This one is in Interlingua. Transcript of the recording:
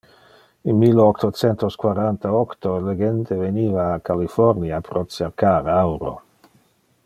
In mille octo centos quaranta-octo, le gente veniva a California pro cercar auro.